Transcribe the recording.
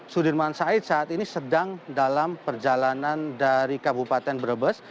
sudirman said saat ini sedang dalam perjalanan dari kabupaten brebes